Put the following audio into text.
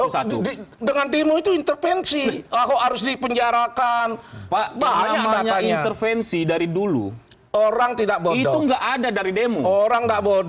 satu dengan demo itu intervensi aku harus dipenjarakan pak banyaknya intervensi dari dulu orang tidak bawa itu enggak ada dari demo orang enggak bawa lupa